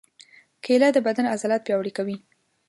کېله د بدن عضلات پیاوړي کوي.